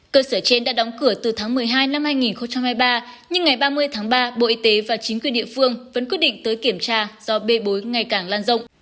cơ sở trên đã đóng cửa từ tháng một mươi hai năm hai nghìn hai mươi ba nhưng ngày ba mươi tháng ba bộ y tế và chính quyền địa phương vẫn quyết định tới kiểm tra do bê bối ngày càng lan rộng